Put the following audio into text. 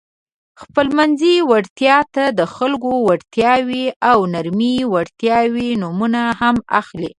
خپلمنځي وړتیا ته د خلکو وړتیاوې او نرمې وړتیاوې نومونه هم اخلي.